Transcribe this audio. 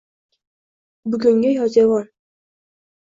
bugungi Yozyovon